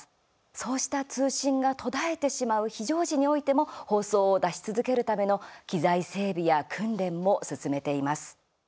そうした通信が途絶えてしまう非常時においても放送を出し続けるための機材整備や訓練も進めています。